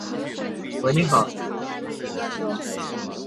两家公司在合并后宣布接下来要在孟买设立分公司的计划。